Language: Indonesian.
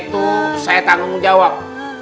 itu saya tanggung jawab